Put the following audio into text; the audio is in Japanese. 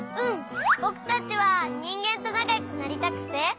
ぼくたちはにんげんとなかよくなりたくて。